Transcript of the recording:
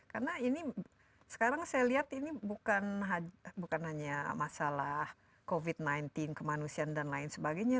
karena ini sekarang saya lihat ini bukan hanya masalah covid sembilan belas kemanusiaan dan lain sebagainya